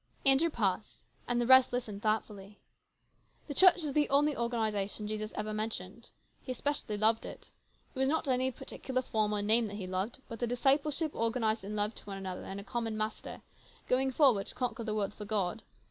Andrew paused, and the rest listened, thoughtfully. " The Church is the only organisation Jesus ever mentioned. He especially loved it. It was not any particular form or name that He loved, but the discipleship organised in love to one another and a common Master, going forward to conquer the world for God.